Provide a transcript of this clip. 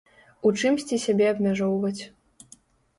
У чымсьці сябе абмяжоўваць.